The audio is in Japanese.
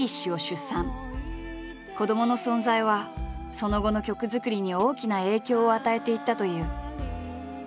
子どもの存在はその後の曲作りに大きな影響を与えていったという。